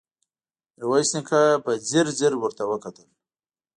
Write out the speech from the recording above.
ميرويس نيکه په ځير ځير ورته وکتل.